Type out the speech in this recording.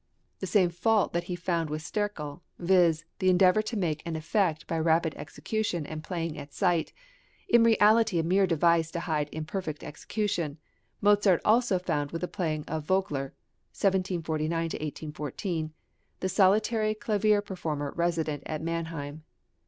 The same fault that he found with Sterkel, viz., the endeavour to make an effect by rapid execution and playing at sight, in reality a mere device to hide imperfect execution, Mozart found also with the playing of Vogler (1749 1814), the solitary clavier performer resident at Mannheim.